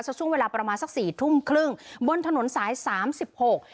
ช่วงเวลาประมาณสักสี่ทุ่มครึ่งบนถนนสายสามสิบหก